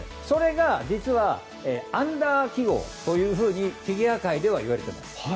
実はアンダー記号というふうにフィギュア界では言われています。